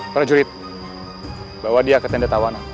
para jurid bawa dia ke tenda tawana